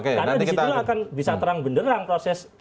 karena di situ akan bisa terang benderang proses